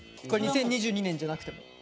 これ２０２２年じゃなくても？